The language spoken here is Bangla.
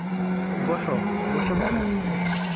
বোসো বসে পড়ো।